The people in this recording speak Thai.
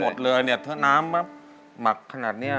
หมดเลยเนี่ยถ้าน้ำมาหมักขนาดนี้